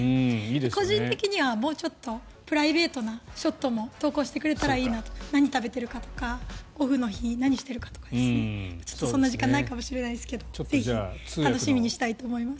個人的にはもうちょっとプライベートなショットも投稿してくれたらいいなと何食べてるかとかオフの日に何してるかとかちょっとそんな時間はないかもしれないですけどぜひ楽しみにしたいと思います。